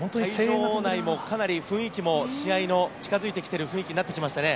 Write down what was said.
会場内も、かなり雰囲気も試合の近づいてきている雰囲気になってきましたね。